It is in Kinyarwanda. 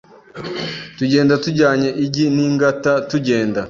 tugenda tujyanye igi n’ingata tugenda